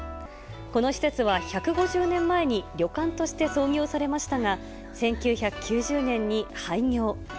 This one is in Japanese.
この施設は１５０年前に旅館として創業されましたが、１９９０年に廃業。